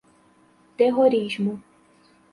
Terrorismo